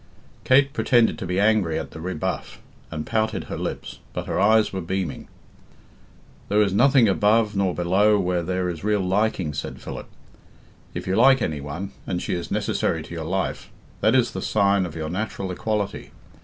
Kate pretended to be angry at the rebuff, and pouted her lips, but her eyes were beaming. "There is neither above nor below where there is real liking," said Philip. "If you like any one, and she is necessary to your life, that is the sign of your natural equality.